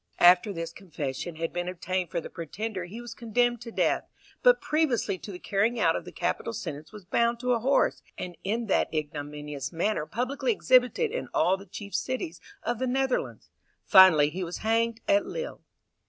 After this confession had been obtained from the pretender he was condemned to death, but previously to the carrying out of the capital sentence was bound to a horse, and in that ignominious manner publicly exhibited in all the chief cities of the Netherlands. Finally he was hanged at Lille.